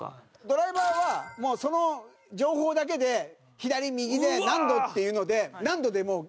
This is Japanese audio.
ドライバーはその情報だけで左、右で何度っていうので何度でもう。